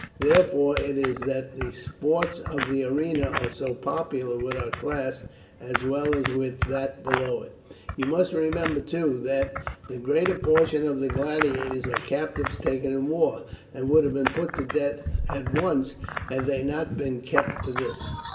Therefore it is that the sports of the arena are so popular with our class as well as with that below it. You must remember, too, that the greater portion of the gladiators are captives taken in war, and would have been put to death at once had they not been kept for this."